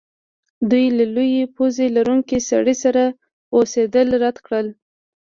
دوی د لویې پوزې لرونکي سړي سره اوسیدل رد کړل